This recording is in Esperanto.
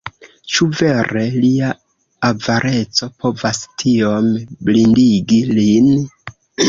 Ĉu vere lia avareco povas tiom blindigi lin?